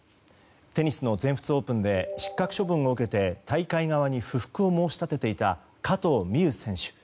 テニスの全仏オープンで失格処分を受けて大会側に不服を申し立てていた加藤未唯選手。